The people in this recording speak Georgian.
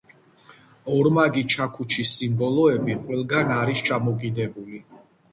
ორმაგი ჩაქუჩის სიმბოლოები ყველგან არის ჩამოკიდებული.